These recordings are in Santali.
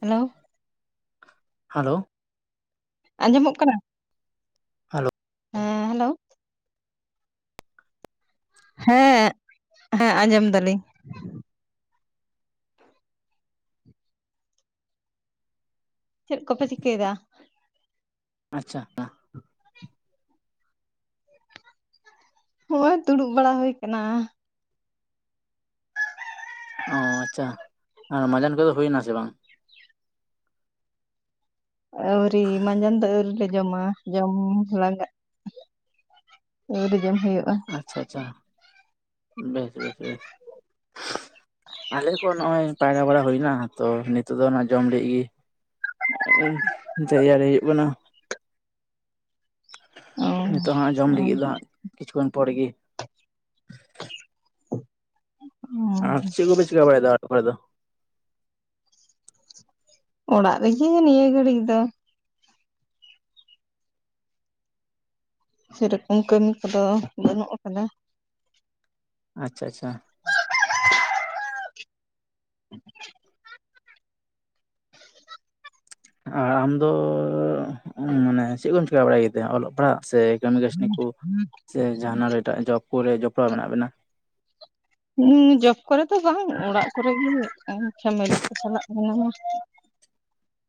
ᱦᱮᱞᱳ ᱦᱮᱞᱳ ᱟᱸᱡᱚᱢᱚᱜ ᱠᱟᱱᱟ? ᱦᱮᱞᱳ ᱦᱮᱸ ᱦᱮᱞᱳ ᱦᱮᱸ ᱦᱮᱸ ᱟᱸᱡᱚᱢ ᱫᱟᱞᱤᱧ ᱪᱮᱫ ᱠᱚ ᱯᱮ ᱪᱤᱠᱟᱹᱭᱫᱟ? ᱟᱪᱪᱷᱟ ᱦᱚᱸᱜ ᱚᱭ ᱫᱩᱲᱩᱵ ᱵᱟᱲᱟ ᱦᱩᱭ ᱠᱟᱱᱟ ᱚ ᱟᱪᱪᱷᱟ ᱟᱨ ᱢᱟᱡᱟᱱ ᱠᱚᱫᱚ ᱦᱩᱭᱱᱟ ᱥᱮ ᱵᱟᱝ? ᱟᱹᱣᱨᱤ ᱢᱟᱡᱟᱱ ᱫᱚ ᱟᱹᱣᱨᱤ ᱞᱮ ᱡᱚᱢᱟ ᱡᱚᱢ ᱞᱟᱸᱜᱟᱜ ᱟᱹᱣᱨᱤ ᱡᱚᱢ ᱦᱳᱭᱳᱜᱼᱟ᱾ ᱟᱪᱪᱷᱟ ᱟᱪᱪᱷᱟ ᱵᱮᱥ ᱵᱮᱥ ᱵᱮᱥ ᱟᱞᱮ ᱠᱚ ᱱᱚᱜᱼᱚᱭ ᱯᱟᱭᱨᱟ ᱵᱟᱲᱟ ᱦᱩᱭᱱᱟ, ᱛᱚ ᱱᱤᱛᱚᱜ ᱫᱚ ᱚᱱᱟ ᱡᱚᱢ ᱞᱟᱹᱜᱤᱫ ᱜᱤ ᱛᱮᱭᱟᱨᱤ ᱦᱩᱭᱩᱜ ᱠᱟᱱᱟ᱾ ᱱᱤᱛᱚᱜ ᱦᱟᱸᱜ ᱡᱚᱢ ᱞᱟᱹᱜᱤᱫ ᱫᱚ ᱦᱟᱸᱜ ᱠᱤᱪᱷᱩ ᱠᱷᱚᱱ ᱯᱚᱨ ᱜᱤ ᱚ ᱟᱨ ᱪᱮᱫ ᱠᱚᱯᱮ ᱪᱮᱟᱹᱠᱟ ᱵᱟᱲᱟᱭᱮᱫᱟ ᱚᱲᱟᱜ ᱠᱚᱨᱮ ᱫᱚ? ᱚᱲᱟᱜ ᱨᱮᱜᱮ ᱱᱤᱭᱟᱹ ᱜᱷᱟᱹᱲᱤᱡ ᱫᱚ। ᱥᱮᱨᱚᱠᱚᱢ ᱠᱟᱹᱢᱤ ᱠᱚᱫᱚ ᱵᱟᱹᱱᱩᱜ ᱟᱠᱟᱫᱟ। ᱟᱪᱪᱷᱟ ᱟᱪᱪᱷᱟ। [inaudible] ᱟᱨ ᱟᱢᱫᱚ ᱢᱟᱱᱮ ᱪᱮᱫ ᱠᱚᱢ ᱪᱮᱠᱟ ᱵᱟᱲᱟᱭ ᱜᱮᱛᱮ? ᱚᱞᱚᱜ ᱯᱟᱲᱦᱟᱜ ᱥᱮ ᱠᱟᱹᱢᱤ ᱠᱟᱹᱥᱱᱤ ᱠᱚ ᱥᱮ ᱡᱟᱦᱟᱱᱟᱜ ᱮᱴᱟᱜ ᱡᱚᱵ ᱠᱚᱨᱮ ᱡᱚᱯᱲᱟᱣ ᱢᱮᱱᱟᱜ ᱵᱮᱱᱟ। ᱦᱩᱸ ᱡᱚᱵ ᱠᱚᱨᱮ ᱫᱚ ᱵᱟᱝ ᱚᱲᱟᱜ ᱠᱚᱨᱮᱜᱮ ᱯᱷᱮᱢᱮᱞᱤ ᱠᱚ ᱪᱟᱞᱟᱜ ᱠᱟᱱᱟ। [inaudible]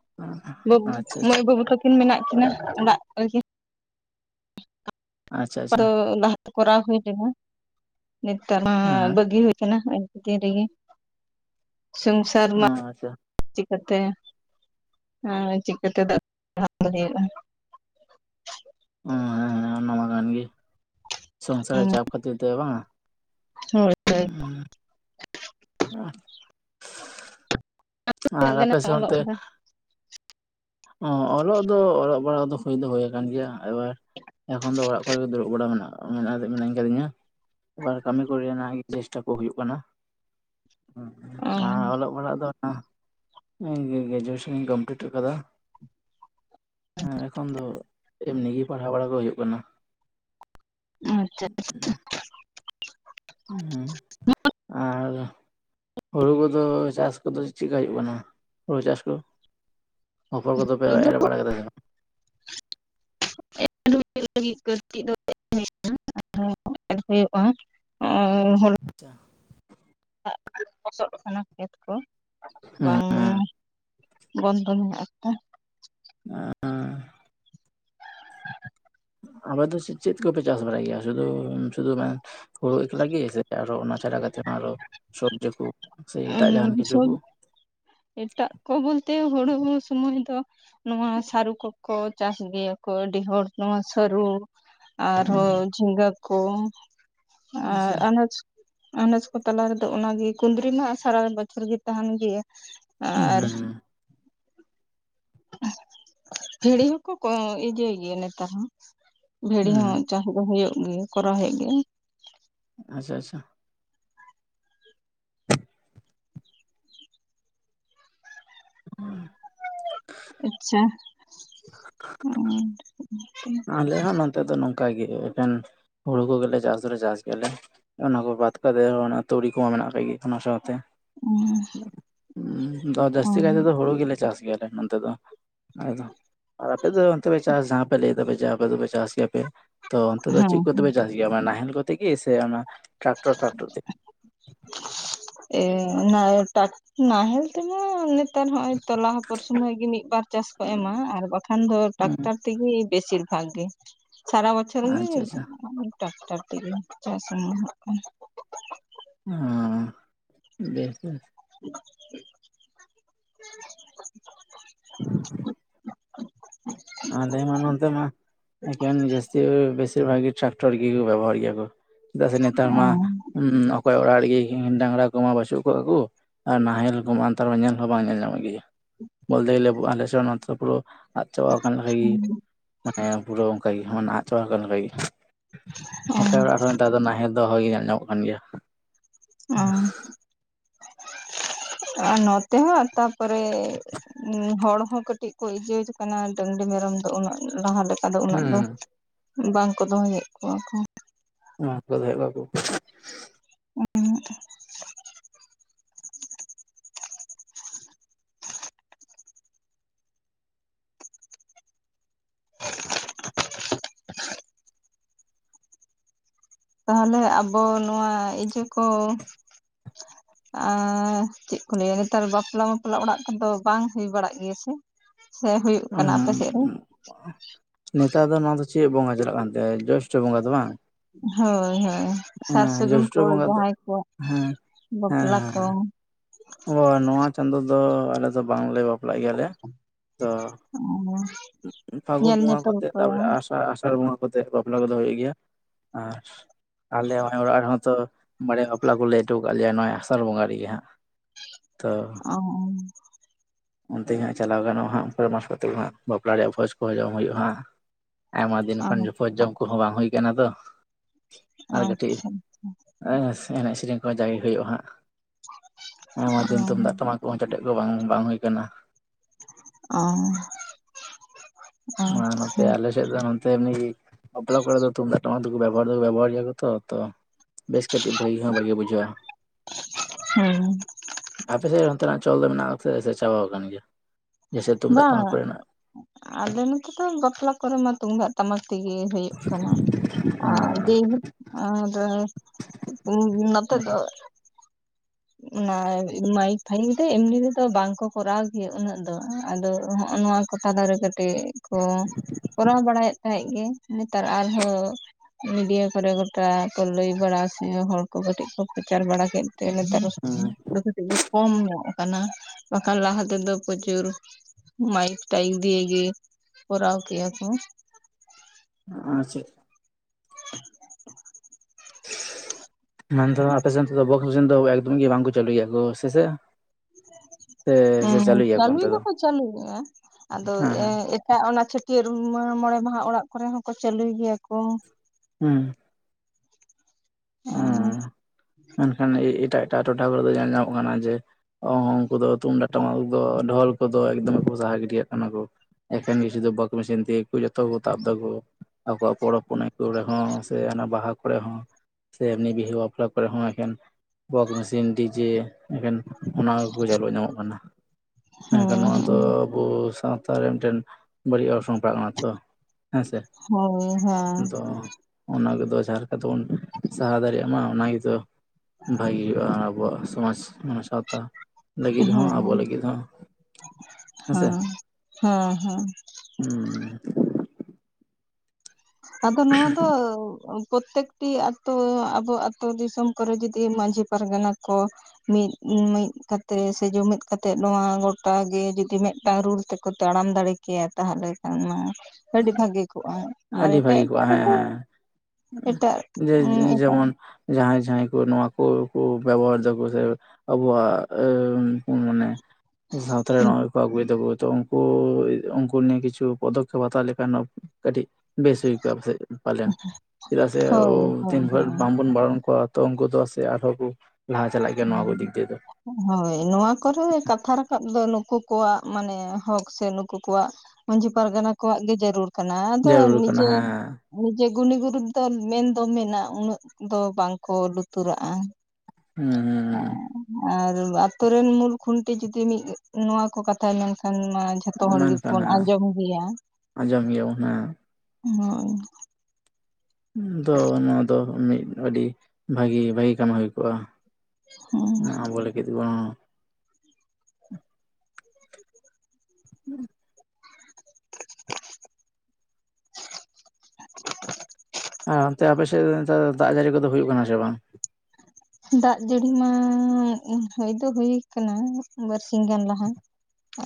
ᱵᱟᱹᱵᱩ ᱟᱪᱪᱷᱟ ᱢᱟᱹᱭ ᱟᱪᱪᱷᱟ ᱵᱟᱹᱵᱩ ᱛᱟᱠᱤᱱ ᱢᱮᱱᱟᱜ ᱠᱤᱱᱟᱹ ᱚᱲᱟᱜ ᱨᱮᱜᱮ! ᱟᱪᱪᱷᱟ ᱟᱪᱪᱷᱟ ᱞᱟᱦᱟᱛᱮ ᱠᱚᱨᱟᱣ ᱦᱩᱭ ᱞᱮᱱᱟ ᱱᱮᱛᱟᱨ ᱢᱟ ᱦᱮᱸ ᱵᱟᱹᱜᱤ ᱦᱩᱭ ᱠᱟᱱᱟ। ᱨᱮᱜᱮ ᱥᱚᱝᱥᱟᱨ ᱢᱟ ᱟᱪᱪᱷᱟ ᱪᱤᱠᱟᱹᱛᱮ ᱟᱨ ᱪᱤᱠᱟᱹᱛᱮ ᱫᱟᱜ ᱦᱩᱭᱩᱜᱼᱟ। ᱚᱸ ᱦᱮᱸ ᱦᱮᱸ ᱚᱱᱟᱢᱟ ᱠᱟᱱ ᱜᱮ ᱥᱚᱝᱥᱟᱨ ᱨᱮᱭᱟᱜ ᱪᱟᱯ ᱠᱷᱟᱹᱛᱤᱨ ᱛᱮ ᱵᱟᱝᱼᱟ। ᱦᱳᱭ ᱦᱳᱭ ᱩᱸᱻ ᱚᱸ ᱛᱤᱱᱟᱹᱜ ᱟᱨ ᱟᱯᱮ ᱜᱟᱱᱮᱢ ᱥᱮᱫ ᱚᱞᱚᱜ ᱚᱱᱛᱮ ᱚᱞᱚᱜ ᱫᱚ ᱚᱞᱚᱜ ᱯᱟᱲᱦᱟᱜ ᱫᱚ ᱦᱩᱭ ᱫᱚ ᱦᱳᱭ ᱟᱠᱟᱱ ᱜᱮᱭᱟ ᱮᱵᱟᱨ ᱮᱠᱷᱚᱱ ᱫᱚ ᱚᱲᱟᱜ ᱠᱚᱨᱮ ᱜᱮ ᱫᱩᱲᱩᱵ ᱵᱟᱲᱟ ᱢᱮᱱᱟᱜ ᱢᱱᱟᱜ ᱟᱠᱟᱫᱤᱧᱟ। ᱮᱵᱟᱨ ᱠᱟᱹᱢᱤ ᱠᱚᱨᱮᱱᱟᱜ ᱪᱮᱥᱴᱟ ᱠᱚ ᱦᱩᱭᱩᱜ ᱠᱟᱱᱟ। ᱦᱚᱸ ᱟᱨ ᱚᱞᱚᱜ ᱯᱟᱲᱦᱟᱜ ᱫᱚ ᱚᱱᱟ ᱤᱧ ᱜᱨᱮᱡᱩᱭᱮᱥᱚᱱ ᱤᱧ ᱠᱚᱢᱯᱤᱞᱤᱴ ᱟᱠᱟᱫᱟ ᱮᱠᱷᱚᱱ ᱫᱚ। ᱮᱢᱱᱤ ᱜᱮ ᱯᱟᱲᱦᱟᱣ ᱵᱟᱲᱟ ᱠᱚ ᱦᱩᱭᱩᱜ ᱠᱟᱱᱟ ᱟᱪᱪᱷᱟ [unintelligible] ᱦᱩᱸ ᱦᱩᱸ ᱟᱨ ᱦᱩᱲᱩ ᱠᱚᱫᱚ ᱪᱟᱥ ᱠᱚᱫᱚ ᱪᱮᱫᱠᱟ ᱦᱩᱭᱩᱜ ᱠᱟᱱᱟ ᱦᱩᱲᱩ ᱪᱟᱥ ᱠᱚ। ᱚᱯᱚᱨ ᱠᱚᱫᱚ ᱯᱮ ᱦᱩᱲᱩ ᱫᱚ ᱮᱨ ᱵᱟᱲᱟ ᱠᱟᱫᱟ ᱥᱮᱵᱟᱝ। [unintelligible] ᱞᱟᱹᱜᱤᱫ ᱠᱟᱹᱴᱤᱡ ᱫᱚ ᱮᱨ ᱦᱩᱭᱩᱜᱼᱟ ᱦᱚᱞᱟ [inaudible] ᱞᱚᱥᱚᱫ ᱠᱟᱱᱟ ᱠᱷᱮᱛ ᱠᱚ ᱵᱟᱝ ᱵᱚᱱᱫᱚ ᱢᱮᱱᱟᱜᱼᱟ। ᱚᱢ [unintelligible] ᱟᱨ [inaudible] ᱟᱯᱮ ᱫᱚ ᱪᱮᱫ ᱪᱮᱫ ᱠᱚᱯᱮ ᱪᱟᱥ ᱵᱟᱲᱟᱭ ᱜᱮᱭᱟ ᱥᱩᱫᱩ ᱥᱩᱫᱷᱩ ᱵᱟᱝ ᱦᱩᱲᱩ ᱮᱠᱞᱟ ᱜᱮ ᱥᱮ ᱟᱨᱚ ᱚᱱᱟ ᱪᱷᱟᱰᱟ ᱠᱟᱛᱮ ᱟᱨᱚ ᱥᱚᱵᱡᱤ ᱠᱚ। ᱥᱮ ᱮᱴᱟᱜ ᱡᱟᱦᱟᱱ ᱠᱤᱪᱷᱩ ᱥᱚᱵ ᱠᱚ। ᱮᱴᱟᱜ ᱠᱚ ᱵᱚᱞᱛᱮ ᱦᱩᱲᱩ ᱥᱚᱢᱚᱭ ᱫᱚ ᱱᱚᱣᱟ ᱥᱟᱹᱨᱩ ᱠᱚ। ᱠᱚ ᱪᱟᱥ ᱜᱮᱭᱟ ᱠᱚ ᱟᱹᱰᱤ ᱦᱚᱲ ᱱᱚᱣᱟ ᱥᱟᱹᱨᱩ। ᱦᱮᱸ ᱟᱨᱦᱚᱸ ᱡᱷᱤᱸᱜᱟᱹ ᱠᱚ ᱟᱨ ᱟᱪᱪᱷᱟ ᱟᱱᱟᱡᱽ। ᱟᱱᱟᱡ ᱠᱚ ᱛᱟᱞᱟ ᱨᱮᱫᱚ ᱚᱱᱟᱜᱮ ᱠᱩᱸᱫᱽᱨᱤ ᱢᱟ ᱥᱟᱨᱟ ᱵᱚᱪᱷᱚᱨ ᱜᱮ ᱛᱟᱦᱮᱱ ᱜᱮᱭᱟ ᱦᱩᱸ ᱟᱨ ᱦᱩᱸ ᱦᱩᱸ ᱵᱷᱤᱲᱤ ᱦᱚᱸᱠᱚ ᱠᱤᱨᱟᱣ ᱤᱭᱟᱹ ᱜᱮᱭᱟ ᱱᱮᱛᱟᱨ ᱦᱚᱸ, ᱵᱷᱤᱲᱤ ᱦᱩᱸ ᱦᱚᱸ ᱪᱟᱥ ᱫᱚ ᱦᱩᱭᱩᱜ ᱜᱮ ᱠᱚᱨᱟᱣᱮᱫ ᱜᱮᱭᱟ। ᱟᱪᱪᱷᱟ ᱟᱪᱪᱷᱟ [inaudible] [inaudible] ᱟᱪᱪᱷᱟ ᱦᱩᱸ ᱟᱞᱮ ᱦᱚᱸ ᱱᱚᱛᱮ ᱫᱚ ᱱᱚᱝᱠᱟ ᱜᱮ ᱮᱠᱷᱮᱱ ᱦᱩᱲᱩ ᱠᱚᱜᱮᱞᱮ ᱪᱟᱥ ᱨᱮ ᱪᱟᱥ ᱜᱮᱭᱟᱞᱮ ᱚᱱᱟ ᱠᱚ ᱵᱟᱫ ᱠᱟᱛᱮ ᱚᱱᱟ ᱛᱩᱲᱤ ᱠᱚᱦᱚᱸ ᱢᱮᱱᱟᱜ ᱠᱟᱜ ᱜᱮ ᱚᱱᱟ ᱥᱟᱶᱛᱮ ᱦ ᱡᱟᱥᱥᱛᱤ ᱠᱟᱭᱛᱮ ᱫᱚ ᱦᱳᱲᱩ ᱜᱮᱞᱮ ᱪᱟᱥ ᱜᱮ ᱱᱚᱸᱛᱮ ᱫᱚ ᱟᱫᱚ ᱟᱯᱮ ᱫᱚ ᱚᱱᱛᱮ ᱯᱮ ᱪᱟᱥ ᱡᱟᱦᱟᱸ ᱯᱮ ᱞᱟ. ᱭ ᱡᱮ ᱟᱯᱮ ᱫᱚ ᱯᱮ ᱪᱟᱥ ᱜᱮᱭᱟᱯᱮ ᱛᱚ ᱚᱱᱛᱮ ᱫᱚ ᱦᱮᱸ ᱪᱮᱫ ᱠᱚᱛᱮᱯᱮ ᱪᱟᱥ ᱜᱮᱭᱟ ᱱᱟᱦᱮᱞ ᱠᱚᱛᱮ ᱜᱮ ᱥᱮ ᱚᱱᱟ ᱴᱨᱟᱠᱴᱚᱨ ᱴᱨᱟᱠᱴᱚᱨ ᱛᱮ ᱮ ᱚᱱᱟ ᱴᱟ ᱱᱟᱦᱮᱞ ᱛᱮᱢᱟ ᱱᱤᱛ ᱱᱮᱛᱟᱨ ᱱᱚᱦᱚᱭ ᱛᱚ ᱞᱟᱦᱟ ᱟᱯᱷᱚᱨ ᱥᱩᱢᱚᱭ ᱜᱮ ᱢᱤᱫ ᱵᱟᱨ ᱪᱟᱥ ᱠᱚ ᱮᱢᱟ ᱟᱨ ᱵᱟᱠᱷᱟᱱ ᱫᱚ ᱦᱩᱸ ᱴᱟᱨᱟᱠᱴᱟᱨ ᱛᱮᱜᱮ ᱵᱮᱥᱤᱨ ᱵᱷᱟᱜᱽ ᱜᱮ ᱥᱟᱨᱟ ᱵᱚᱪᱷᱚᱨ ᱜᱤ ᱟᱪᱪᱷᱟ ᱟᱪᱪᱷᱟ ᱴᱨᱟᱠᱴᱟᱨ ᱛᱮᱜᱮ ᱪᱟᱥ ᱮᱢᱚᱜ ᱠᱟᱱᱟ [inaudible] ᱵᱮᱥ ᱵᱮᱥ [unintelligible] ᱟᱞᱮᱢᱟ ᱱᱛᱮ ᱢᱟ ᱮᱠᱮᱱ ᱡᱟᱹᱥᱛᱤ ᱵᱮᱥᱤᱨ ᱵᱷᱟᱜ ᱜᱮ ᱴᱨᱟᱠᱴᱚᱨ ᱜᱮᱠᱚ ᱵᱮᱵᱚᱦᱟᱨ ᱜᱮᱭᱟ ᱠᱚ। ᱪᱮᱫᱟᱜ ᱥᱮ ᱱᱮᱛᱟᱨ ᱢᱟ ᱚᱠᱚᱭ ᱚᱲᱟᱜ ᱨᱮᱜᱮ ᱰᱟᱝᱨᱟ ᱠᱚᱢᱟ ᱵᱟᱹᱪᱩᱜ ᱠᱚᱜᱼᱟ ᱠᱚ। ᱟᱨ ᱱᱟᱦᱮᱞ ᱠᱚᱢᱟ ᱱᱮᱛᱟᱨ ᱢᱟ ᱧᱮᱞ ᱦᱚᱸ ᱵᱟᱝ ᱧᱮᱞ ᱧᱟᱢᱚᱜ ᱜᱮᱭᱟ। ᱵᱚᱞᱛᱮ ᱜᱮᱞᱮ ᱟᱞᱮᱥᱮᱫ ᱱᱚᱛᱮ ᱯᱩᱨᱟᱹ ᱟᱫ ᱪᱟᱵ ᱚᱱᱠᱟ ᱞᱮᱠᱟᱜᱮ ᱢᱟᱱᱮ ᱯᱩᱨᱟᱹ ᱚᱱᱠᱟᱜᱮ ᱢᱟᱱᱮ ᱟᱪ ᱞᱮᱠ ᱜᱮ ᱚᱠᱚᱭ ᱚᱲᱟᱜ ᱠᱷᱚᱱ ᱱᱮᱛᱟᱨ ᱫᱚ ᱱᱟᱦᱮᱞ ᱫᱚ ᱦᱚᱭ ᱜᱮ ᱧᱮᱞ ᱧᱟᱢᱚᱜ ᱠᱟᱱ ᱜᱮᱭᱟ ᱚ [unintelligible] [inaudible] ᱱᱚᱛᱮ ᱦᱚᱸ ᱛᱟᱨᱯᱚᱨᱮ ᱦᱚᱲ ᱦᱚᱸ ᱠᱟᱹᱴᱤᱡ ᱠᱚ ᱤᱡᱟᱹᱪ ᱠᱟᱱᱟ ᱰᱟᱝᱨᱤ ᱢᱮᱨᱚᱢ ᱫᱚ ᱩᱱᱟᱹᱜ ᱞᱟᱦᱟ ᱞᱮᱠᱟ ᱟᱫᱚ ᱩᱱᱟᱹᱜ ᱦᱩᱸ ᱫᱚ ᱵᱟᱝ ᱠᱚ ᱫᱚᱦᱚᱭᱮᱫ ᱠᱚᱣᱟ ᱠᱚ ᱚᱱᱟ ᱠᱚ ᱫᱷᱮᱵᱟ ᱠᱚ [inaudible] ᱚ ᱛᱟᱦᱚᱞᱮ ᱟᱵᱚ ᱱᱚᱣᱟ ᱤᱭᱟᱹ ᱠᱚ ᱟᱨ ᱪᱮᱫ ᱠᱚ ᱞᱟᱹᱭᱟ ᱱᱮᱛᱟᱨ ᱵᱟᱯᱞᱟ ᱵᱟᱯᱞᱟ ᱚᱲᱟᱜ ᱠᱚᱫᱚ ᱵᱟᱝ ᱦᱩᱭ ᱵᱟᱲᱟᱜ ᱜᱮᱭᱟ ᱥᱮ ᱥᱮ ᱦᱩᱭᱩᱜ ᱠᱟᱱᱟ ᱟᱯᱮ ᱥᱮᱫ ᱨᱮ [inaudible] ᱱᱮᱛᱟᱨ ᱫᱚ ᱱᱚᱣᱟ ᱫᱚ ᱪᱮᱫ ᱵᱚᱸᱜᱟ ᱪᱟᱞᱟᱜ ᱠᱟᱱᱛᱮ ᱡᱳᱥᱴᱚ ᱵᱚᱸᱜᱟ ᱫᱚ ᱵᱟᱝ ᱦᱳᱭ ᱦᱳᱭ ᱥᱟᱨ ᱦᱮᱸ ᱥᱟᱹᱜᱩᱱ ᱡᱳᱥᱴᱚ ᱠᱚ ᱵᱚᱸᱜᱟ ᱫᱚ ᱡᱟᱦᱟᱸᱭ ᱠᱚ ᱦᱮᱸ ᱦᱮᱸ ᱵᱟᱯᱞᱟ ᱠᱚ ᱚ ᱱᱚᱣᱟ ᱪᱟᱸᱫᱳ ᱫᱚ ᱟᱞᱮ ᱫᱚ ᱵᱟᱝᱞᱮ ᱵᱟᱯᱞᱟᱜ ᱜᱮᱭᱟᱞᱮ ᱛᱚ ᱯᱷᱟᱹᱜᱩᱱ ᱧᱮᱞ ᱵᱚᱸᱜᱟ ᱧᱮᱯᱮᱞ ᱠᱟᱛᱮ ᱠᱚ ᱛᱟᱯᱚᱨᱮ ᱟᱥᱟᱲ ᱟᱥᱟᱲ ᱵᱚᱸᱜᱟ ᱚᱱᱛᱮ ᱵᱟᱯᱞᱟ ᱠᱚᱫᱚ ᱦᱩᱭᱩᱜ ᱜᱮᱭᱟ ᱟᱨ ᱟᱞᱮ ᱣᱟᱜ ᱚᱲᱟᱜ ᱨᱮᱦᱚᱸ ᱛᱚ ᱵᱟᱨᱭᱟ ᱵᱟᱯᱞᱟ ᱠᱚ ᱞᱮᱭᱴᱚ ᱟᱠᱟᱫ ᱞᱮᱭᱟ ᱱᱚᱭᱚᱭ ᱟᱥᱟᱲ ᱵᱚᱸᱜᱟ ᱨᱮᱜᱮ ᱦᱟᱸᱜ ᱛᱚ ᱚ ᱚᱱᱛᱮ ᱜᱮ ᱦᱟᱸᱜ ᱪᱟᱞᱟᱣ ᱜᱟᱱᱚᱜᱼᱟ ᱦᱟᱸᱜ ᱯᱮ ᱢᱟᱥ ᱠᱚᱛᱮ ᱦᱟᱸᱜ ᱵᱟᱯᱞᱟ ᱨᱮᱭᱟᱜ ᱵᱷᱚᱭᱡᱽ ᱠᱚᱦᱚᱸ ᱡᱚᱢ ᱦᱩᱭᱩᱜᱼᱟ ᱦᱟᱸᱜ ᱟᱭᱢᱟ ᱫᱤᱱ ᱟᱪᱪᱷᱟ ᱠᱷᱚᱱ ᱵᱷᱚᱡ ᱡᱚᱢ ᱠᱚᱦᱚᱸ ᱵᱟᱝ ᱦᱩᱭ ᱠᱟᱱᱟ ᱛᱚ ᱟᱨ ᱠᱟᱹᱴᱤᱡ [inaudible] ᱥᱮᱨᱮᱧ ᱠᱚᱨᱮ ᱡᱟᱜᱮ ᱦᱩᱭᱩᱜᱼᱟ ᱦᱟᱸᱜ ᱦᱩ [inaudible] ᱴᱮᱴᱮᱫ ᱫᱚ ᱵᱟᱝ ᱵᱟᱝ ᱦᱩᱭ ᱟᱠᱟᱱᱟ ᱚ ᱱᱟ ᱱᱚᱛᱮ ᱟᱪᱪᱷᱟ ᱟᱞᱮᱥᱮᱫ ᱫᱚ ᱱᱚᱛᱮ ᱢᱤᱫᱵᱟᱯᱞᱟ ᱠᱚᱨᱮ ᱫᱚ ᱛᱩᱢᱫᱟᱜ ᱴᱟᱢᱟᱠ ᱫᱚ ᱠᱚ ᱵᱮᱵᱚᱦᱟᱨ ᱫᱚ ᱵᱮᱵᱚᱦᱟᱨ ᱜᱮᱭᱟ ᱛᱚ ᱵᱮᱥ ᱠᱟᱹᱴᱤᱡ ᱵᱷᱟᱹᱜᱤ ᱦᱚᱸ ᱵᱷᱟᱜᱤ ᱵᱩᱡᱷᱟᱹᱜᱼᱟ ᱦᱮᱸ ᱟᱯᱮ ᱥᱮᱫ ᱚᱱᱛᱮᱱᱟᱜ ᱪᱚᱞ ᱫᱚ ᱢᱮᱱᱟᱜ-ᱟ ᱥᱮ ᱪᱟᱵᱟᱟᱣ ᱟᱠᱟᱱ ᱜᱮᱭᱟ ᱡᱮᱭᱥᱮ ᱛᱩᱢᱫᱟᱜ ᱵᱟᱝ ᱴᱟᱢᱟᱠ ᱠᱚᱨᱮᱱᱟᱜ ᱟᱞᱮ ᱱᱚᱛᱮ ᱫᱚ ᱵᱟᱯᱞᱟ ᱠᱚᱨᱮ ᱢᱟ ᱛᱩᱢᱫᱟᱜ ᱴᱟᱢᱟᱠ ᱛᱮᱜᱮ ᱦᱩᱭᱩᱜ ᱠᱟᱱᱟ ᱟᱨ ᱡᱮᱜᱤ ᱟᱫᱚ ᱦ ᱱᱚᱛᱮ ᱫᱚ ᱚᱱᱟ ᱢᱟᱭᱤᱠ ᱯᱷᱟᱭᱤᱠ ᱫᱚ ᱮᱢᱱᱤ ᱨᱮᱫᱚ ᱵᱟᱝᱠᱚ ᱠᱚᱨᱟᱣ ᱜᱮ ᱩᱱᱟᱹᱜ ᱫᱚ ᱟᱫᱚ ᱦᱚᱱᱚᱭᱟ ᱠᱚᱴᱟ ᱫᱟᱨᱮ ᱠᱟᱹᱴᱤᱡ ᱠᱚ ᱠᱚᱨᱟᱣ ᱵᱟᱲᱟᱭᱮᱫ ᱛᱟᱦᱮᱸᱫ ᱜᱮ ᱱᱮᱛᱟᱨ ᱟᱨᱦᱚᱸ ᱢᱤᱰᱤᱭᱟ ᱠᱚᱨᱮ ᱜᱚᱴᱟ ᱠᱚ ᱞᱟᱹᱭ ᱵᱟᱲᱟ ᱥᱮ ᱦᱚᱲ ᱠᱚ ᱠᱟᱹᱴᱤᱡ ᱠᱚ ᱯᱨᱚᱪᱟᱨ ᱵᱟᱲᱟ ᱠᱮᱫ ᱛᱮ ᱫᱚ ᱠᱟᱹᱴᱤᱡ ᱠᱚ ᱠᱚᱢ ᱧᱚᱜ ᱟᱠᱟᱱᱟ ᱵᱟᱠᱷᱟᱱ ᱞᱟᱦᱟ ᱛᱮᱫᱚ ᱯᱨᱚᱪᱩᱨ ᱢᱟᱭᱤᱠ ᱴᱟᱭᱤᱠ ᱫᱤᱭᱮ ᱜᱮ, ᱠᱚᱨᱟᱣ ᱠᱮᱫᱟ ᱠᱚ ᱾ ᱟᱨ ᱪᱮᱫ [unintelligible] ᱢᱮᱱᱫᱚ ᱟᱯᱮ ᱥᱮᱱ ᱛᱮᱫᱚ ᱵᱚᱠᱥ ᱠᱚᱥᱮᱱ ᱫᱚ ᱮᱠᱫᱚᱢ ᱜᱮ ᱵᱟᱝᱠᱚ ᱪᱟᱹᱞᱩ ᱜᱮᱭᱟ ᱠᱚ ᱥᱮ ᱪᱮᱫ ᱾ ᱦᱩᱸ ᱪᱟᱹᱞᱩᱭ ᱚᱱᱛᱮ ᱫᱚ ᱫᱚᱠᱚ ᱪᱟᱹᱞᱩᱭᱟ ᱜᱤᱭᱟᱹ, ᱟᱫᱚ ᱦᱮᱸ ᱦᱮᱸ ᱮᱭᱟᱭ ᱚᱠᱟ ᱚᱱᱟ ᱪᱷᱟᱹᱴᱭᱟᱹᱨ ᱢᱚᱬᱮ ᱢᱟᱦᱟ ᱚᱲᱟᱜ ᱠᱚᱨᱮ ᱦᱚᱸᱠᱚ ᱪᱟᱹᱞᱩᱭ ᱜᱮᱭᱟ ᱠᱚ ᱾ ᱦᱩᱸ ᱦᱮᱸ ᱦᱩᱸ ᱢᱮᱱᱠᱷᱟᱱ ᱮᱴᱟᱜ ᱮᱴᱟᱜ ᱴᱚᱴᱷᱟ ᱠᱚᱨᱮ ᱫᱚ ᱧᱮᱞ ᱧᱟᱢᱚᱜ ᱠᱟᱱᱟ ᱡᱮ ᱚ ᱩᱱᱠᱩ ᱫᱚ ᱛᱩᱢᱫᱟᱜ ᱴᱟᱢᱟᱠ ᱠᱚᱫᱚ, ᱰᱷᱚᱞ ᱠᱚᱫᱚ, ᱮᱠᱫᱚᱢ ᱠᱚ ᱥᱟᱦᱟ ᱜᱤᱰᱤ ᱠᱟᱜ ᱠᱟᱱᱟ ᱠᱚ ᱾ ᱮᱠᱷᱮᱱ ᱤᱥᱤ ᱫᱚ ᱵᱟᱠᱚ ᱢᱤᱥᱤᱱ ᱛᱤ ᱡᱷᱚᱛᱚ ᱠᱚ ᱛᱟᱵ ᱮᱫᱟ ᱠᱚ ᱟᱵᱚᱣᱟᱜ ᱯᱚᱨᱚᱵᱽ ᱯᱩᱱᱟᱹᱭ ᱠᱚᱨᱮ ᱦᱚᱸ ᱥᱮ ᱚᱱᱟ ᱵᱟᱦᱟ ᱠᱚᱨᱮ ᱦᱚᱸ ᱥᱮ ᱮᱢᱤ ᱵᱤᱦᱮ ᱵᱟᱯᱞᱟ ᱠᱚᱨᱮ ᱦᱚᱸ ᱮᱠᱷᱮᱱ ᱵᱚᱠ ᱢᱮᱥᱤᱱ ᱰᱤ ᱡᱮ ᱮᱠᱷᱮᱱ ᱚᱱᱟ ᱠᱚᱠᱚ ᱡᱟᱣᱜᱮ ᱧᱟᱢᱚᱜ ᱠᱟᱱᱟ ᱾ ᱢᱮᱱᱠᱷᱟᱱ ᱱᱚᱶᱟ ᱫᱚ ᱦᱩᱸ ᱚ ᱥᱟᱶᱛᱟ ᱨᱮ ᱢᱤᱫᱴᱮᱱ ᱵᱟᱹᱲᱤᱡ ᱚᱨᱥᱚᱝ ᱯᱟᱲᱟᱜ ᱠᱟᱱᱟ ᱛᱚ ᱦᱮᱸᱥᱮ ᱾ [unintelligible] ᱚᱱᱟ ᱠᱚᱫᱚ ᱡᱟᱦᱟᱸ ᱞᱮᱠᱟ ᱛᱮᱵᱚᱱ ᱥᱟᱦᱟ ᱫᱟᱲᱮᱭᱟᱜ ᱟᱢᱟ ᱚᱱᱟ ᱜᱮᱛᱚ ᱾ ᱵᱷᱟᱜᱮ ᱦᱩᱭᱩᱜᱼᱟ ᱟᱵᱚᱣᱟᱜ ᱥᱚᱢᱟᱡᱽ ᱥᱟᱶᱛᱟ ᱾ ᱞᱟᱹᱜᱤᱫ ᱦᱚᱸ ᱦᱮᱸ ᱟᱵᱚ ᱞᱟᱹᱜᱤᱫ ᱦᱚᱸ, ᱦᱮᱸᱥᱮ ᱦᱮᱸ ᱦᱮᱸ ᱦᱮᱸ ᱦᱩᱸ ᱟᱫᱚ ᱱᱚᱣᱟ ᱫᱚ ᱯᱨᱚᱛᱮᱠ ᱴᱤ ᱟᱹᱛᱩ ᱟᱵᱚ ᱟᱹᱛᱩ ᱫᱤᱥᱚᱢ ᱠᱚᱨᱮ ᱡᱩᱫᱤ ᱢᱟᱹᱡᱷᱤ ᱯᱟᱨᱜᱟᱱᱟ ᱠᱚ ᱾ ᱢᱤᱫ ᱢᱤᱫ ᱠᱟᱛᱮ, ᱥᱮ ᱡᱩᱢᱤᱫ ᱠᱟᱛᱮᱜ, ᱱᱚᱣᱟ ᱜᱚᱴᱟᱜ ᱜᱮ ᱡᱩᱫᱤ ᱢᱤᱫᱴᱟᱝ ᱨᱩᱞ ᱛᱮ ᱠᱚ ᱛᱟᱲᱟᱢ ᱫᱟᱲᱮ ᱠᱮᱭᱟ, ᱛᱟᱦᱚᱞᱮ ᱠᱷᱟᱱ ᱢᱟ ᱟᱹᱰᱤ ᱵᱷᱟᱜᱤ ᱠᱚᱜᱼᱟ ᱾ ᱟᱹᱰᱤ ᱵᱷᱟᱹᱜᱤ ᱠᱚᱜᱼᱟ, ᱦᱮᱸ ᱮᱴᱟᱜ ᱦᱮᱸ ᱡᱮ ᱮᱴᱟᱜ ᱡᱮᱢᱚᱱ ᱡᱟᱦᱟᱸᱭ ᱡᱟᱦᱟᱸᱭ ᱠᱚ ᱱᱚᱣᱟ ᱠᱚ ᱠᱚ ᱵᱮᱵᱚᱦᱟᱨ ᱮᱫᱟᱠᱚ ᱥᱮ ᱟᱵᱚᱣᱟᱜ ᱮᱸᱻ ᱢᱟᱱᱮ ᱥᱟᱶᱛᱟ ᱨᱮ ᱱᱚᱜᱚᱭ ᱠᱚ ᱟᱹᱜᱩᱭ ᱮᱫᱟᱠᱚ ᱛᱚ ᱩᱱᱠᱩ ᱚᱝᱠᱩ ᱱᱤᱭᱮ ᱠᱤᱪᱷᱩᱠ ᱯᱚᱫᱠᱷᱮᱯ ᱦᱟᱛᱟᱣ ᱞᱮᱠᱷᱟᱱ ᱠᱟᱹᱴᱤᱡ ᱵᱮᱥ ᱞᱮᱠᱟ ᱵᱟᱥᱮᱡ ᱯᱟᱞᱮᱱ, ᱪᱮᱫᱟᱜ ᱥᱮ ᱦᱳᱭ ᱛᱤᱱ ᱦᱳᱭ ᱵᱷᱩᱨ ᱵᱟᱝᱵᱚᱱ ᱵᱟᱨᱚᱱ ᱠᱚᱣᱟ ᱛᱚ ᱩᱱᱠᱩ ᱫᱚ ᱥᱮ ᱟᱨᱦᱚᱸ ᱠᱚ ᱞᱟᱦᱟ ᱪᱟᱞᱟᱜ ᱜᱮᱭᱟ ᱠᱚ ᱱᱚᱣᱟ ᱠᱚ ᱦᱳᱭ ᱤᱫᱤ ᱠᱟᱛᱮ ᱫᱚ ᱾ ᱦᱳᱭ ᱱᱚᱣᱟ ᱠᱚᱫᱚ ᱠᱟᱛᱷᱟ ᱨᱟᱠᱟᱵ ᱫᱚ ᱱᱩᱠᱩ ᱠᱚᱣᱟᱜ ᱢᱟᱱᱮ ᱦᱚᱠ ᱥᱮ ᱱᱩᱠᱩ ᱠᱚᱣᱟᱜ ᱢᱟᱹᱡᱷᱤ ᱯᱟᱨᱜᱟᱱᱟ ᱠᱚᱣᱟᱜ ᱜᱮ ᱡᱟᱹᱨᱩᱲ ᱠᱟᱱᱟ, ᱟᱫᱚ ᱡᱟᱹᱨᱩᱲ ᱠᱟᱱᱟ ᱱᱤᱡᱮ ᱦᱮᱸ ᱱᱤᱡᱮ ᱜᱩᱱᱤ ᱜᱩᱨᱩᱤ ᱫᱚ ᱢᱮᱱ ᱫᱚ ᱢᱮᱱᱟ, ᱩᱱᱟᱹᱜ ᱫᱚ ᱵᱟᱝ ᱠᱚ ᱞᱩᱛᱩᱨᱟᱜᱼᱟ ᱾ ᱦᱩᱸ ᱦᱩᱸ ᱟᱨ ᱟᱛᱩᱨ ᱨᱮᱱ ᱢᱩᱰᱩᱫ ᱠᱷᱩᱱᱴᱤ ᱡᱩᱫᱤ ᱢᱤᱫ ᱱᱚᱣᱟ ᱠᱚ ᱠᱟᱛᱷᱟᱭ ᱢᱮᱱᱠᱷᱟᱱ ᱡᱩ ᱡᱷᱚᱛᱚ ᱦᱚᱲ ᱢᱮᱱᱠᱷᱟᱱ ᱜᱮᱵᱚᱱ ᱦᱟᱸᱜ ᱟᱸᱡᱚᱢ ᱜᱮᱭᱟ ᱟᱸᱡᱚᱢ ᱜᱮᱭᱟᱵᱚᱱ ᱦᱟᱸᱜ ᱾ ᱦᱚᱸ ᱫᱚ ᱱᱚᱣᱟ ᱫᱚ ᱢᱤᱫ ᱟᱹᱰᱤ ᱵᱷᱟᱹᱜᱤ ᱵᱷᱟᱹᱜᱤ ᱠᱟᱹᱢᱤ ᱦᱩᱭ ᱠᱚᱜᱼᱟ ᱾ ᱟᱵᱳ ᱞᱟᱜᱤᱫ ᱫᱚ ᱵᱟᱝ ᱦᱩᱸ [unintelligible] ᱟᱨ ᱚᱱᱛᱮ ᱟᱯᱮ ᱥᱮᱫ ᱫᱟᱜ ᱡᱟᱹᱲᱤ ᱠᱚᱫᱚ ᱦᱩᱭᱩᱜ ᱠᱟᱱᱟ ᱥᱮ ᱵᱟᱝ? ᱫᱟᱜ ᱡᱟᱹᱲᱤ ᱢᱟ ᱦᱩᱭ ᱫᱚ ᱦᱩᱭ ᱠᱟᱱᱟ ᱵᱟᱨᱥᱤᱧ ᱜᱟᱱ ᱞᱟᱦᱟ᱾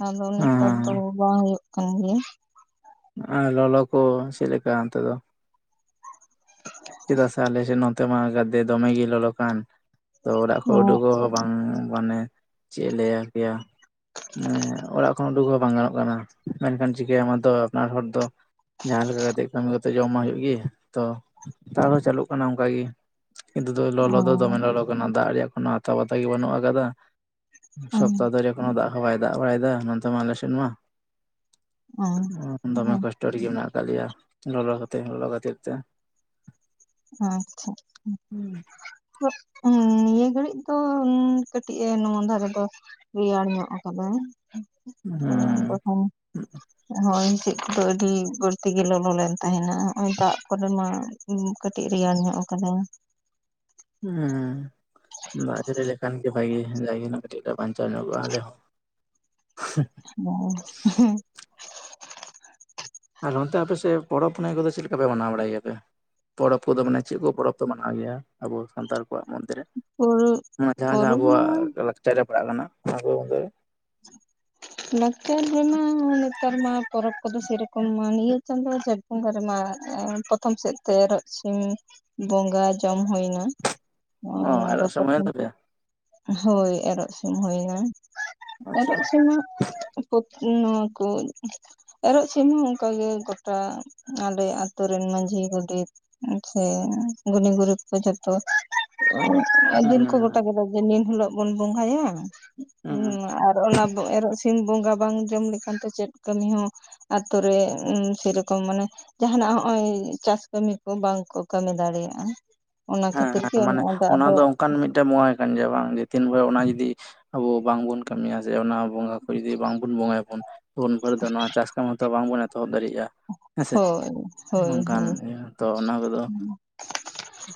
ᱟᱫᱚ ᱱᱮᱛᱟᱨ ᱫᱚ ᱵᱟᱝ ᱦᱩᱭᱩᱜ ᱠᱟᱱ ᱜᱮᱭᱟ᱾ ᱟᱨ ᱞᱚᱞᱚ ᱠᱚ ᱪᱮᱫ ᱞᱮᱠᱟ ᱚᱱᱛᱮ ᱫᱚ? [unintelligible] ᱪᱮᱫᱟᱜ ᱥᱮ ᱟᱞᱮᱥᱮᱫ ᱱᱚᱛᱮ ᱢᱟ ᱜᱟᱫᱮ ᱫᱚᱢᱮ ᱜᱮ ᱞᱚᱞᱚ ᱠᱟᱱ ᱾ ᱛᱚ ᱚᱲᱟᱜ ᱠᱷᱚᱱ ᱚ ᱩᱰᱩᱠᱚᱜ ᱯᱟᱱ ᱢᱟᱱᱮ ᱪᱮᱫ ᱞᱮ ᱞᱟᱹᱭ ᱟᱯᱮᱭᱟ, ᱢᱟᱱᱮ ᱚᱲᱟᱜ ᱠᱷᱚᱱ ᱩᱰᱩᱠᱚᱜ ᱦᱚᱸ ᱵᱟᱝ ᱜᱟᱱᱚᱜ ᱠᱟᱱᱟ ᱾ ᱢᱮᱱᱠᱷᱟᱱ ᱪᱤᱠᱟᱭᱟᱢ ᱟᱫᱚ ᱟᱯᱱᱟᱨ ᱦᱚᱲ ᱫᱚ, ᱡᱟᱦᱟᱸ ᱞᱮᱠᱟ ᱠᱟᱛᱮᱜ ᱠᱟᱹᱢᱤ ᱠᱟᱛᱮ ᱡᱳᱢ ᱢᱟ ᱦᱩᱭᱩᱜᱤ ᱛᱚ ᱾ ᱱᱮᱛᱟᱨᱦᱚᱸ ᱫᱚ ᱪᱟᱹᱞᱩᱜ ᱠᱟᱱᱟ ᱚᱱᱠᱟ ᱜᱮ, ᱠᱤᱱᱛᱩ ᱞᱚᱞᱚ ᱫᱚ ᱫᱚᱢᱮ ᱞᱚᱞᱚ ᱠᱟᱱᱟ ᱫᱟᱜ ᱨᱮᱭᱟᱜ ᱠᱚᱱ ᱞᱚᱛᱟ ᱯᱟᱛᱟ ᱜᱮ ᱵᱟᱹᱱᱩᱜ ᱟᱠᱟᱫᱟ ᱾ ᱚ ᱥᱚᱯᱛᱟᱦ ᱫᱟᱨᱮ ᱠᱚᱱᱳ ᱫᱟᱜ ᱦᱚᱸ ᱵᱟᱭ ᱫᱟᱜ ᱵᱟᱲᱟᱭᱮᱫᱟ ᱱᱚᱛᱮ ᱢᱟ ᱟᱞᱮ ᱥᱮᱫ ᱢᱟ ᱦᱮᱸ ᱫᱚᱢᱮ ᱦᱮᱸ ᱠᱚᱥᱴᱚ᱾ ᱨᱮ ᱜᱮ ᱢᱮᱱᱟᱜ ᱟᱠᱟᱫ ᱞᱮᱭᱟ ᱞᱚᱞᱚ ᱠᱟᱛᱮ ᱞᱚᱞᱚ ᱠᱷᱟᱹᱛᱤᱨ ᱛᱮ᱾ ᱟᱪᱪᱷᱟ᱾ ᱦᱩᱸ ᱱᱤᱭᱟᱹ ᱜᱷᱟᱹᱲᱤᱡ ᱫᱚ ᱠᱟᱹᱴᱤᱡ ᱮ ᱱᱚᱣᱟ ᱫᱷᱟᱨᱮ ᱫᱚ ᱨᱮᱭᱟᱲ ᱧᱚᱜ ᱠᱟᱫᱟ ᱛᱚ ᱛᱚᱠᱷᱚᱱ ᱦᱚᱭ ᱦᱤᱥᱤᱫ ᱠᱚᱫᱚ ᱟᱹᱰᱤ ᱵᱟᱹᱲᱛᱤ ᱜᱮ ᱞᱚᱞᱚ ᱞᱮᱱ ᱛᱟᱦᱮᱱᱟ ᱦᱚᱜ ᱚᱭ ᱫᱟᱜ ᱯᱚᱨᱮ ᱢᱟ ᱠᱟᱹᱴᱤᱡ ᱨᱮᱭᱟᱲ ᱧᱚᱜ ᱠᱟᱫᱟ᱾ ᱦᱩᱸ ᱫᱟᱜᱡᱟᱹᱲᱤ ᱞᱮᱠᱷᱟᱱ ᱜᱮ ᱵᱷᱟᱜᱤ ᱡᱟᱭᱜᱮ ᱱᱟ ᱵᱟᱧᱪᱟᱣ ᱧᱚᱜ-ᱟ ᱟᱞᱮ ᱦᱚᱸ᱾ ᱦ [unintelligible] ᱟᱨ ᱱᱚᱱᱛᱮ ᱟᱯᱮ ᱥᱮᱫ ᱯᱚᱨᱚᱵ ᱯᱩᱱᱟᱹᱭ ᱠᱚ ᱫᱚ ᱪᱮᱫ ᱞᱮᱠᱟ ᱯᱮ ᱢᱟᱱᱟᱣ ᱵᱟᱲᱟᱭ ᱜᱮᱭᱟᱯᱮ? ᱯᱚᱨᱚᱵᱽ ᱠᱚᱫᱚ ᱢᱟᱱᱮ ᱪᱮᱫ ᱠᱚ ᱯᱚᱨᱚᱵᱽ ᱫᱚ ᱢᱟᱱᱟᱣ ᱜᱮᱭᱟ ᱟᱵᱚ ᱥᱟᱱᱛᱟᱲ ᱠᱚᱣᱟᱜ ᱢᱚᱫᱽᱫᱷᱮᱨᱮ? ᱚᱱᱟ ᱡᱟᱦᱟᱸ ᱡᱟᱦᱟᱸ ᱯᱚᱨᱚᱵᱽ ᱢᱟ ᱟᱵᱚᱣᱟᱜ ᱞᱟᱠᱪᱟᱨ ᱨᱮ ᱯᱟᱲᱟᱜ ᱠᱟᱱᱟ ᱚᱱᱟ ᱠᱚᱜᱮ᱾ ᱞᱟᱪᱟᱨ ᱨᱮᱢᱟ ᱱᱮᱛᱟᱨ ᱢᱟ ᱯᱚᱨᱚᱵᱽ ᱠᱚᱫᱚ ᱥᱮᱨᱚᱠᱚᱢ ᱢᱟ ᱱᱤᱭᱟᱹ ᱪᱟᱸᱫᱳ ᱵᱚᱸᱜᱟ ᱨᱮᱢᱟ ᱯᱨᱚᱛᱷᱚᱢ ᱥᱮᱫ ᱛᱮ ᱮᱨᱚᱜ ᱥᱤᱢ ᱵᱚᱸᱜᱟ ᱡᱚᱢ ᱦᱳᱭ ᱱᱟ᱾ ᱚ ᱚᱱᱟ ᱫᱚ ᱮᱨᱚᱜ ᱥᱚᱢᱚᱭᱮᱱ ᱯᱨᱚᱛᱷᱚᱢᱮᱫ ᱛᱟᱯᱮᱭᱟ ᱦᱳᱭ ᱮᱨᱚᱜ ᱥᱤᱢ ᱦᱳᱭᱱᱟ᱾ ᱟᱪᱪᱷᱟ ᱮᱨᱚᱜ ᱥᱤᱢ ᱱᱚᱣᱟ ᱠᱚᱡ ᱮᱨᱚᱜ ᱥᱤᱢ ᱦᱚᱸ ᱚᱱᱠᱟ ᱜᱮ ᱜᱚᱴᱟ ᱟᱞᱮ ᱟᱛᱳ ᱨᱮᱱ ᱢᱟᱺᱡᱷᱤ ᱜᱚᱰᱮᱛ ᱥᱮ ᱜᱩᱱᱤ ᱜᱩᱨᱩ ᱠᱚ ᱡᱚᱛᱚ᱾ ᱦᱩᱸ ᱦᱩᱸ ᱫᱤᱱ ᱠᱚ ᱦᱩᱸ ᱜᱚᱴᱟ ᱠᱮᱫᱟ ᱡᱮ ᱱᱤᱱ ᱦᱤᱞᱳᱜ ᱵᱚᱱ ᱵᱚᱸᱜᱟᱭᱟ᱾ ᱦᱩᱸ ᱦᱩᱸ ᱟᱨ ᱚᱱᱟ ᱮᱨᱚᱜ ᱥᱤᱢ ᱵᱚᱸᱜᱟ ᱵᱟᱝ ᱡᱚᱢ ᱞᱮᱠᱷᱟᱱ ᱛᱚ ᱪᱮᱫ ᱠᱟᱹᱢᱤ ᱦᱚᱸ ᱟᱛᱳ ᱨᱮ ᱥᱮᱨᱚᱠᱚᱢ ᱢᱟᱱᱮ ᱡᱟᱦᱟᱸᱱᱟᱜ ᱦᱚᱜ ᱚᱭ ᱪᱟᱥ ᱠᱟᱹᱢᱤ ᱠᱚ ᱵᱟᱝᱠᱚ ᱠᱟᱹᱢᱤ ᱫᱟᱲᱮᱭᱟᱜᱼᱟ᱾ ᱚᱱᱟ ᱦᱮᱸ ᱠᱷᱟᱹᱛᱤᱨ ᱛᱮ ᱦᱮᱸ ᱢᱟᱱᱮ ᱱᱚᱜᱼᱱᱟ ᱫᱚ ᱚᱱᱟ ᱟᱫᱚ ᱚᱱᱠᱟᱱ ᱢᱤᱫᱴᱮᱱ ᱵᱚᱸᱜᱟ ᱠᱟᱱ ᱜᱮᱭᱟ ᱵᱟᱝ ᱡᱮ ᱛᱤᱱ ᱵᱷᱳᱨ ᱚᱱᱟ ᱡᱩᱫᱤ ᱟᱵᱚ ᱵᱟᱝᱵᱚᱱ ᱠᱟᱹᱢᱤᱭᱟ ᱥᱮ ᱚᱱᱟ ᱵᱚᱸᱜᱟ ᱠᱚ ᱡᱩᱫᱤ ᱵᱟᱝᱵᱚᱱ ᱵᱚᱸᱜᱟ ᱭᱟᱵᱚᱱ ᱩᱱ ᱵᱷᱳᱟᱹᱨ ᱫᱚ ᱱᱚᱣᱟ ᱪᱟᱥ ᱠᱟᱹᱢᱤ ᱦᱚᱸᱛᱚ ᱵᱟᱝᱵᱚᱱ ᱮᱛᱚᱦᱚᱵ ᱫᱟᱲᱮᱭᱟᱜᱼᱟ᱾ ᱦᱮᱸᱥᱮ ᱦᱳᱭ ᱦᱳᱭ ᱱᱚᱝᱠᱟᱱ ᱦᱳᱭ ᱤᱭᱟᱹ ᱛᱚ ᱚᱱᱟ ᱠᱚᱫᱚ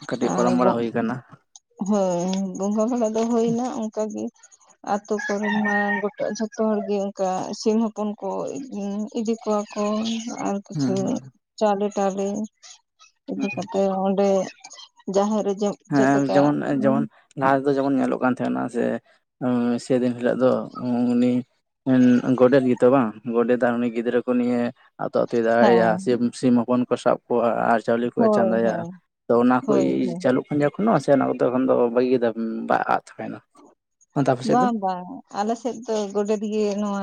ᱠᱟᱹᱴᱤᱡ ᱟᱨ ᱯᱟᱨᱚᱢ ᱵᱟᱨᱟ ᱦᱩᱭ ᱠᱟᱱᱟ᱾ ᱦᱳᱭ ᱵᱚᱸᱜᱟ ᱵᱟᱲᱟ ᱫᱚ ᱦᱩᱭᱱᱟ, ᱚᱱᱠᱟᱜᱤ ᱟᱛᱳ ᱠᱚᱨᱮ ᱢᱟ ᱜᱚᱴᱟ ᱡᱚ ᱡᱚᱛᱚ ᱦᱚᱲ ᱜᱮ ᱚᱱᱠᱟ ᱥᱤᱢ ᱦᱚᱯᱚᱱ ᱠᱚ ᱤᱫᱤ ᱠᱚᱣᱟ ᱠᱚ ᱟᱨ ᱦᱩᱸ ᱠᱤᱪᱷᱩ ᱦᱩᱸ ᱪᱟᱣᱞᱮ ᱴᱟᱣᱞᱮ ᱤᱫᱤ ᱦᱩᱸ ᱠᱟᱛᱮᱜ ᱚᱸᱰᱮ ᱟᱪᱪᱷᱟ ᱡᱟᱦᱮᱨ ᱨᱮ ᱡᱮ ᱦᱮᱸ ᱡᱮᱢᱚᱱ ᱡᱮᱢᱚᱱ ᱞᱟᱦᱟ ᱛᱮᱫᱚ ᱡᱮᱢᱚᱱ ᱧᱮᱞᱚᱜ ᱠᱟᱱ ᱛᱟᱦᱮᱸᱱᱟ ᱥᱮ ᱥᱮᱫᱤᱱ ᱦᱤᱞᱳᱜ ᱫᱚ ᱩᱱᱤ ᱜᱚᱰᱮᱛ ᱜᱮᱛᱚ ᱵᱟᱝ ᱜᱚᱰᱮᱛ ᱟᱨ ᱩᱱᱤ ᱜᱤᱫᱽᱨᱟᱹ ᱠᱚ ᱱᱤᱭᱮ? ᱟᱛᱳ ᱟᱛᱳᱭ ᱫᱟᱲᱟᱭᱟ ᱥᱤᱢ, ᱥᱤᱢ ᱦᱚᱯᱚᱱ ᱠᱚ ᱥᱟᱵ ᱠᱚᱣᱟ ᱟᱨ ᱪᱟᱣᱞᱮ ᱠᱚᱭ ᱦᱳᱭ ᱪᱟᱸᱫᱟᱭᱟ ᱦᱳᱭ ᱛᱚ ᱚᱱᱟ ᱠᱚᱭ ᱦᱳᱭ ᱦᱳᱭ [unintelligible] ᱥᱮ ᱚᱱᱟ ᱛᱚᱠᱷᱚᱱ ᱫᱚ ᱵᱷᱟᱹᱜᱤ ᱜᱮ ᱫᱟᱜ ᱵᱟᱲᱟᱭᱮᱫ ᱛᱟᱦᱮᱱᱟ ᱵᱟᱝ ᱵᱟᱝ ᱟᱞᱮ ᱥᱮᱫ ᱫᱚ ᱜᱚᱰᱮᱛ ᱜᱮ ᱱᱚᱣᱟ